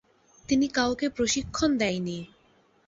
তিনি কাউকে প্রশিক্ষণ দেয়নি।